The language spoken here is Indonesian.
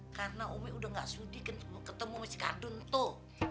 karena umi udah gak sudi ketemu si kardun tuh